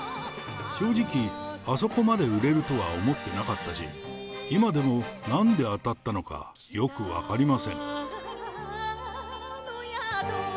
正直、あそこまで売れるとは思ってなかったし、今でもなんで当たったのか、よく分かりません。